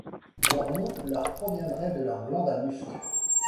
Leur nom leur proviendrait de leur glande à musc.